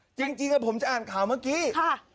จริงผมจะอ่านข่าวเมื่อกี้ค่ะ